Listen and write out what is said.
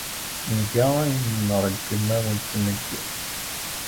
Nga ayen ay nṛeggem ad awent-t-neg.